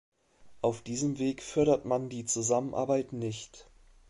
Auf diesem Weg fördert man die Zusammenarbeit nicht.